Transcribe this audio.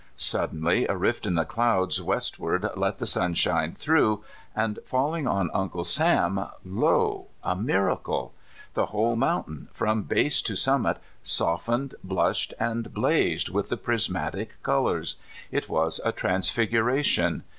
Suddenly a rift in the clouds westward let the sunshine through, and falling on " Uncle Sam," lo, a mira cle ! The wjiole mountain, from base to summit, eofteued, blushed, and blazed with the prismatic colors. It was a transfiguration.